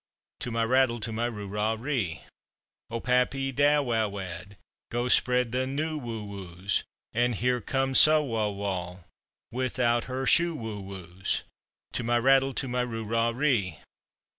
To my rattle, to my roo rah ree! "O pappy da wa wad, Go spread the ne wu wus; And here come Sa wa wall Without her sho woo woos." To my rattle, to my roo rah ree!